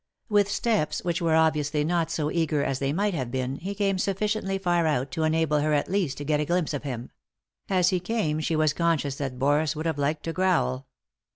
With steps which were obviously not so eager as they might have been he came sufficiently far out to enable her at least to get a glimpse of him ; as he came she was conscious that Boris would have liked to growl.